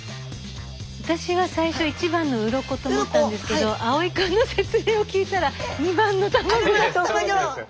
私は最初１番のうろこと思ったんですけど蒼君の説明を聞いたら２番の卵だと思いました。